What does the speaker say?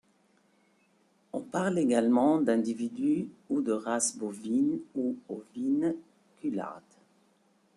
On parle également d'individu ou de race bovine, ou ovine, cularde.